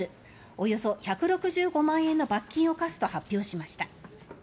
およそ１６５万円の罰金を科すと発表しました。